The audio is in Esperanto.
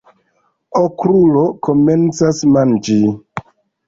Okrulo komencas manĝi.